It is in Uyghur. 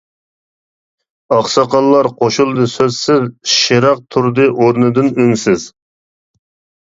ئاقساقاللار قوشۇلدى سۆزسىز، شىراق تۇردى ئورنىدىن ئۈنسىز.